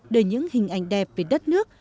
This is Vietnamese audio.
đời những hình ảnh đẹp về đất nước